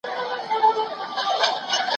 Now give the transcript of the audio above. زه اجازه لرم چي نان وخورم!؟